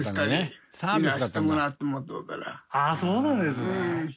ああそうなんですね。